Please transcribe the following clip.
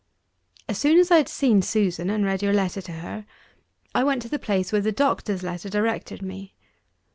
As soon as I had seen Susan, and read your letter to her, I went to the place where the doctor's letter directed me.